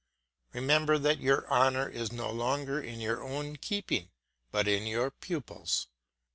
Remember that your honour is no longer in your own keeping but in your pupil's.